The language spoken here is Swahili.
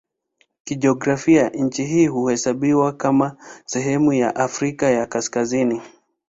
Kijiografia nchi hii huhesabiwa kama sehemu ya Afrika ya Kaskazini.